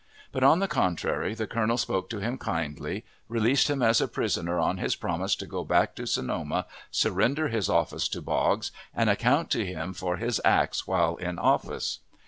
But, on the contrary, the colonel spoke to him kindly, released him as a prisoner on his promise to go back to Sonoma, surrender his office to Boggs, and account to him for his acts while in office.